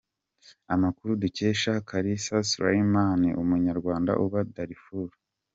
Amakuru dukesha Kalisa Sulaiman, umunyarwanda uba Darfur.